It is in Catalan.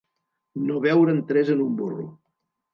No veure'n tres en un burro.